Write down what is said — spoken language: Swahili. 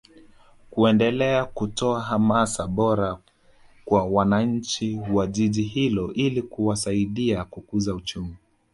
kuendelea kutoa hamasa bora kwa wananchi wa Jiji hilo ili kuwasaidia kukuza uchumi